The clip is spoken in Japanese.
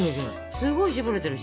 すごい絞れてるし。